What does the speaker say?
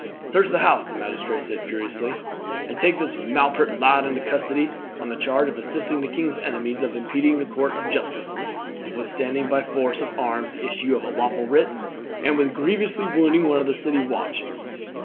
"Search the house," the magistrate said furiously, "and take this malapert lad into custody on the charge of assisting the king's enemies, of impeding the course of justice, of withstanding by force of arms the issue of a lawful writ, and with grievously wounding one of the city watch."